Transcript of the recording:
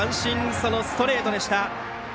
そのストレートでした。